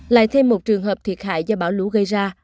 lại thêm một trường hợp thiệt hại do bão lũ gây ra